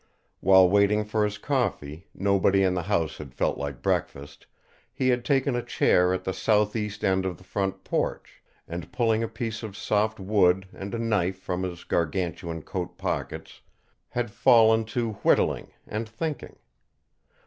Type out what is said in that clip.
While waiting for his coffee nobody in the house had felt like breakfast he had taken a chair at the southeast end of the front porch and, pulling a piece of soft wood and a knife from his Gargantuan coat pockets, had fallen to whittling and thinking.